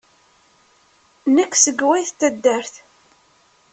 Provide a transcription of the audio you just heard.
Nekk seg wayt taddart.